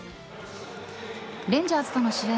レンジャーズとの試合